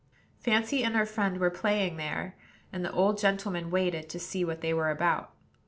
Fancy and her friend were playing there, and the old gentleman waited to see what they were about.